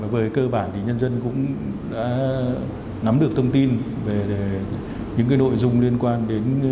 về cơ bản thì nhân dân cũng đã nắm được thông tin về những nội dung liên quan đến